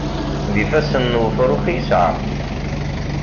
D ifassen n wefṛux i yesɛa.